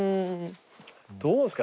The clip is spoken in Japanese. どうですか？